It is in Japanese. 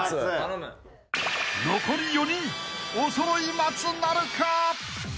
［残り４人おそろい松なるか］